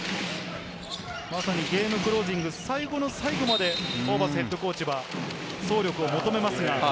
ゲームクロージング、最後の最後までホーバスＨＣは走力を求めますが。